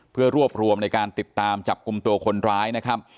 เพื่อรวบรวมในการติดตามจับกลุ่มตัวคนร้ายนะครับ